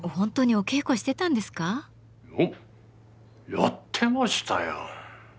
やってましたよ。